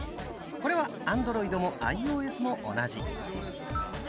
これはアンドロイドもアイオーエスも同じ。